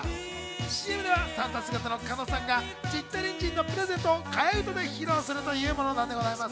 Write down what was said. ＣＭではサンタ姿の狩野さんがジッタリン・ジンの『プレゼント』を替え歌で披露するというものなんでございます。